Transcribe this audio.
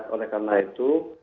oleh karena itu